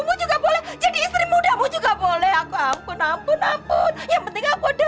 mu juga boleh jadi istri muda mu juga boleh aku ampun ampun ampun yang penting aku ada